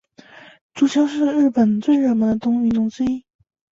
足球是日本最热门的运动之一。